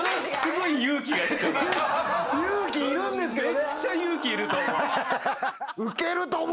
勇気いるんですけどね